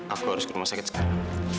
aku harus ke rumah sakit sekarang